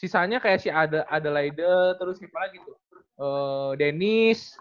sisanya kayak si adelaide terus si apa lagi tuh dennis